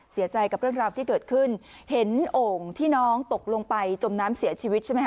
เสียใจกับเรื่องราวที่เกิดขึ้นเห็นโอ่งที่น้องตกลงไปจมน้ำเสียชีวิตใช่ไหมค